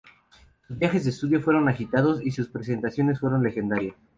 Sus viajes de estudio fueron agitados, y sus presentaciones fueron legendarias.